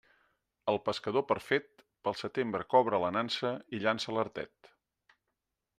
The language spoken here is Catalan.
El pescador perfet, pel setembre cobra a la nansa i llança l'artet.